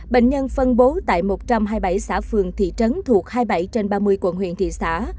bệnh nhân phân bố tại một trăm hai mươi bảy xã phường thị trấn thuộc hai mươi bảy trên ba mươi quận huyện thị xã